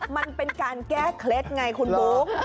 มันเป็นการแก้เคล็ดไงคุณบุ๊ค